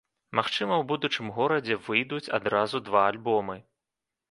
Магчыма, у будучым годзе выйдуць адразу два альбомы.